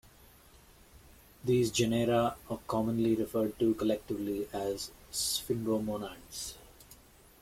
These genera are commonly referred to collectively as sphingomonads.